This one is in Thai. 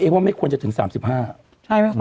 เอกบอกไม่ควรจะถึง๓๕บาท